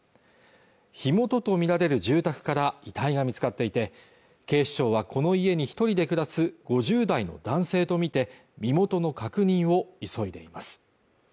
火元とみられる住宅から遺体が見つかっていて警視庁はこの家に一人で暮らす５０代の男性とみて身元の確認を急いでいます